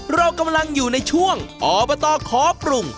เรากำลังอยู่ในช่วงอบตขอปรุง